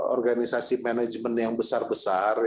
organisasi manajemen yang besar besar